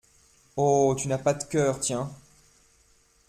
Oh ! tu n'as pas de coeur, tiens !